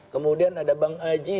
kemudian ada bang aji